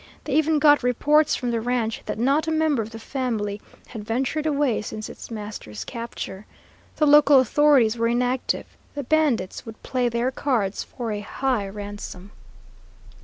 They even got reports from the ranch that not a member of the family had ventured away since its master's capture. The local authorities were inactive. The bandits would play their cards for a high ransom.